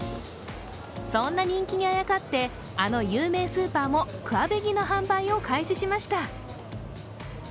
そんな人気にあやかってあの有名スーパーもクァベギの販売を開始しました。